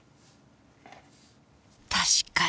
確かに。